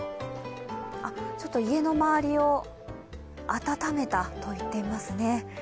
ちょっと家の周りを暖めたと言っていますね。